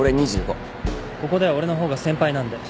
ここでは俺の方が先輩なんで。